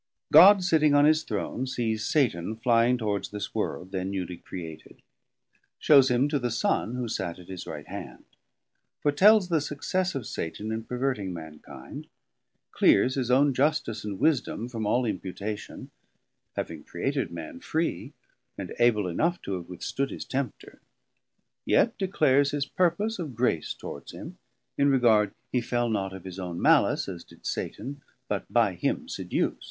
God sitting on his Throne sees Satan flying towards this world, then newly created; shews him to the Son who sat at his right hand; foretells the success of Satan in perverting mankind; clears his own Justice and Wisdom from all imputation, having created Man free and able enough to have withstood his Tempter; yet declares his purpose of grace towards him, in regard he fell not of his own malice, as did Satan, but by him seduc't.